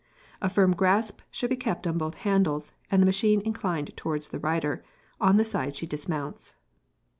A firm grasp should be kept on both handles, and the machine inclined towards the rider, on the side she dismounts.